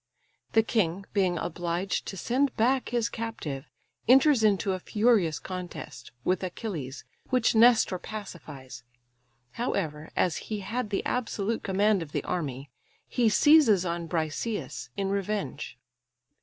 The king, being obliged to send back his captive, enters into a furious contest with Achilles, which Nestor pacifies; however, as he had the absolute command of the army, he seizes on Briseïs in revenge.